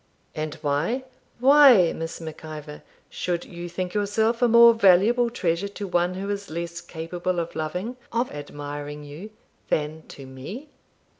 'And why, why, Miss Mac Ivor, should you think yourself a more valuable treasure to one who is less capable of loving, of admiring you, than to me?'